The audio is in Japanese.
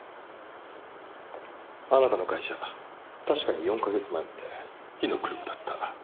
あなたの会社確かに４カ月前まで火の車だった。